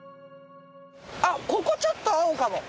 あっここちょっと青かも。